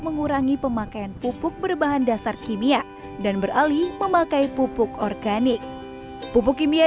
mengurangi pemakaian pupuk berbahan dasar kimia dan beralih memakai pupuk organik pupuk kimia